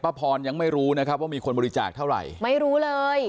พรยังไม่รู้นะครับว่ามีคนบริจาคเท่าไหร่ไม่รู้เลย